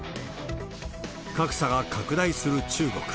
格差が拡大する中国。